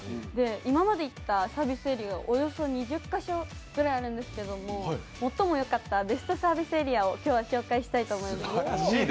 今まで行ったサービスエリア、およそ２０カ所ぐらいあるんですけど最も良かったベストサービスエリアを今日は紹介したいと思います。